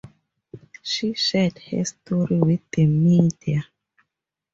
She shared her story with the Media.